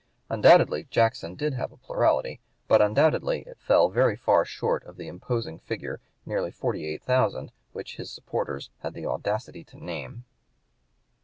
Undoubtedly Jackson did have a plurality, but undoubtedly it fell very far short of the imposing figure, nearly 48,000, which his supporters had the audacity to name.